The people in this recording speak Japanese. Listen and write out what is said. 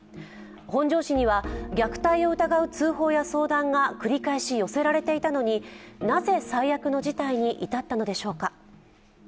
本庄市には虐待を疑う通報や相談が寄せられていたのになぜ最悪の事態に至ったのでしょうか。